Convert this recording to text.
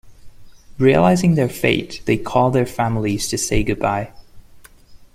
Realizing their fate, they call their families to say goodbye.